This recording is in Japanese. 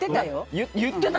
言ってた？